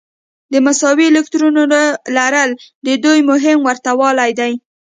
د مساوي الکترونونو لرل د دوی مهم ورته والی دی.